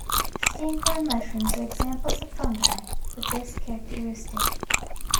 Stinkhorn mushrooms are examples of fungi with this characteristic.